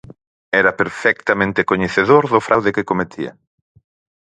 Era perfectamente coñecedor do fraude que cometía.